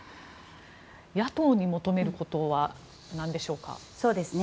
野党に求めることは何でしょうか。